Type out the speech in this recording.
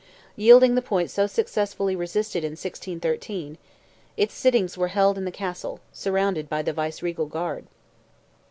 Yielding the point so successfully resisted in 1613, its sittings were held in the Castle, surrounded by the viceregal guard.